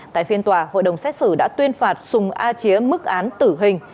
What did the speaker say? tại phiên tòa hội đồng xét xử đã tuyên phạt sùng a chía mức án tử hình